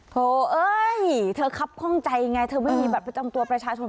โหเอ้ยเธอครับข้องใจไงเธอไม่มีบัตรประจำตัวประชาชน